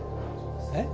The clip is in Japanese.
えっ？